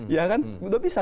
ya kan udah bisa